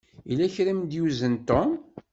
Yella kra i m-d-yuzen Tom.